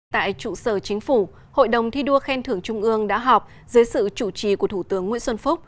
tại trụ sở chính phủ hội đồng thi đua khen thưởng trung ương đã họp dưới sự chủ trì của thủ tướng nguyễn xuân phúc